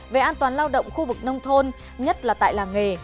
về an toàn lao động khu vực nông thôn nhất là tại làng nghề